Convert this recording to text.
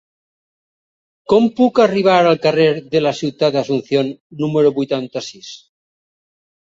Com puc arribar al carrer de la Ciutat d'Asunción número vuitanta-sis?